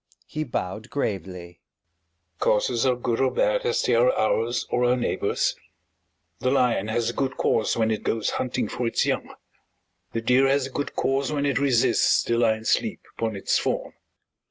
He bowed gravely. "Causes are good or bad as they are ours or our neighbours'. The lion has a good cause when it goes hunting for its young; the deer has a good cause when it resists the lion's leap upon its fawn."